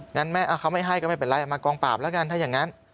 งั้นเขาไม่ให้ก็ไม่เป็นไรมากองปราบแล้วกันถ้าอย่างนั้น